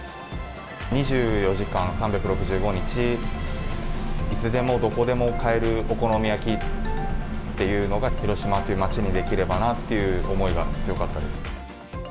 ２４時間３６５日、いつでもどこでも買えるお好み焼きっていうのが、広島という街に出来ればなという思いが強かったです。